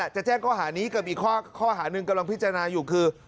จะแจ้งข้อหานี้กับอีกข้อหาหนึ่งกำลังพิจารณาอยู่คือ